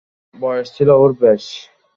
বয়স ছিল ওর বেশ।